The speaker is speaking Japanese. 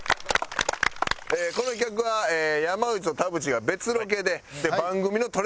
この企画は山内と田渕が別ロケで番組の撮れ